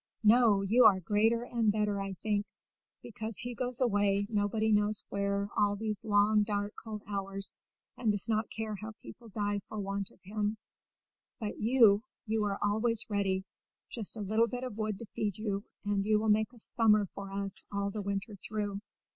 No; you are greater and better, I think, because he goes away nobody knows where all these long, dark, cold hours, and does not care how people die for want of him; but you you are always ready: just a little bit of wood to feed you, and you will make a summer for us all the winter through!"